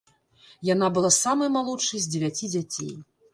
Яна была самай малодшай з дзевяці дзяцей.